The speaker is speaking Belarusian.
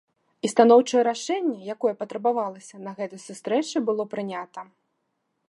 І станоўчае рашэнне, якое патрабавалася, на гэтай сустрэчы было прынята.